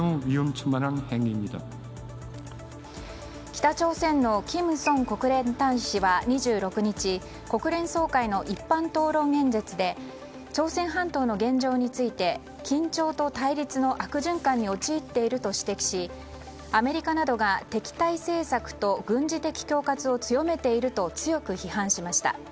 北朝鮮のキム・ソン国連大使は２６日国連総会の一般討論演説で朝鮮半島の現状について緊張と対立の悪循環に陥っているとアメリカなどが敵対政策と軍事的恐喝を強めていると強く批判しました。